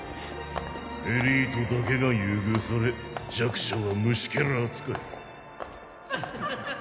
エリートだけが優遇され弱者は虫けら扱い。